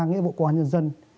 nghĩa vụ công an nhân dân